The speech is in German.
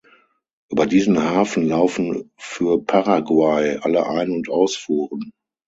Über diesen Hafen laufen für Paraguay alle Ein- und Ausfuhren.